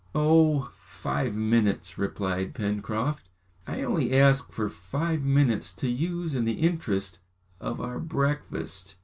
"Oh! five minutes!" replied Pencroft, "I only ask for five minutes to use in the interest of our breakfast!"